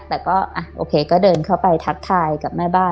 แต่ก็โอเคก็เดินเข้าไปทักทายกับแม่บ้าน